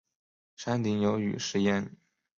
山顶有雨石庵。